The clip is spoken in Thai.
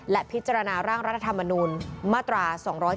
และพิจารณาร่างรัฐธรรมนูลมาตรา๒๗